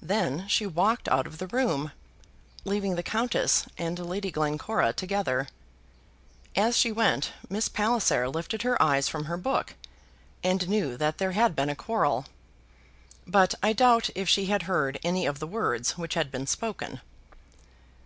Then she walked out of the room, leaving the Countess and Lady Glencora together. As she went Miss Palliser lifted her eyes from her book, and knew that there had been a quarrel, but I doubt if she had heard any of the words which had been spoken.